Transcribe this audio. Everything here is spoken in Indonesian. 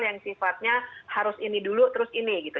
yang sifatnya harus ini dulu terus ini gitu